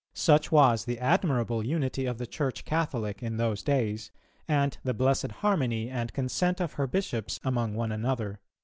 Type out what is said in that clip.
Such was the admirable unity of the Church Catholic in those days, and the blessed harmony and consent of her bishops among one another."